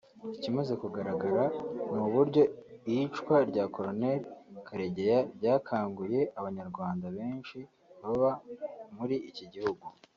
Ikimaze kugaragara n’uburyo iyicwa rya Col Karegeya ryakanguye abanyarwanda benshi baba muri iki gihugu